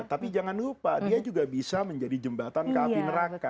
tapi jangan lupa dia juga bisa menjadi jembatan kapi neraka